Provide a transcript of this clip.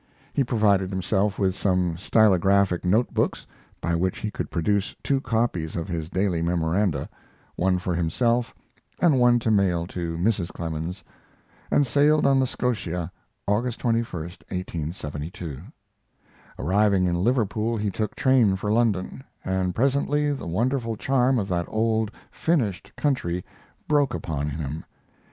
He provided himself with some stylographic note books, by which he could produce two copies of his daily memoranda one for himself and one to mail to Mrs. Clemens and sailed on the Scotia August 21, 1872. Arriving in Liverpool he took train for London, and presently the wonderful charm of that old, finished country broke upon him.